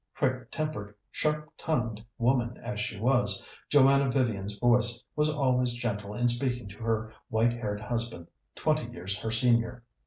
Quick tempered, sharp tongued woman as she was, Joanna Vivian's voice was always gentle in speaking to her white haired husband, twenty years her senior.